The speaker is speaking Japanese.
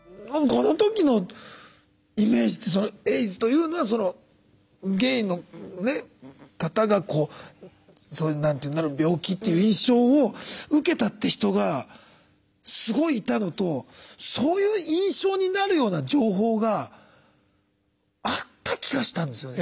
この時のイメージってエイズというのはそのゲイの方がなる病気っていう印象を受けたって人がすごいいたのとそういう印象になるような情報があった気がしたんですよね。